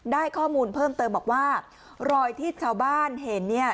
ได้ข้อมูลเพิ่มเติมบอกว่ารอยที่ชาวบ้านเห็นเนี่ย